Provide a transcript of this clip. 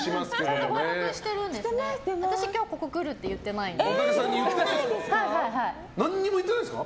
私、今日ここ来るって何にも言ってないんですか？